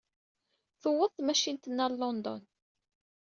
Tuweḍ tmacint-nni ɣer London.